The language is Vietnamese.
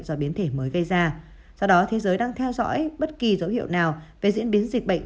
do biến thể mới gây ra do đó thế giới đang theo dõi bất kỳ dấu hiệu nào về diễn biến dịch bệnh